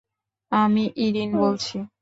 আমি ইরিন বলছি।